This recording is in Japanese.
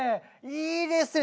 いいですね。